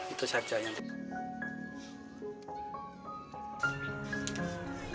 itu saja yang saya inginkan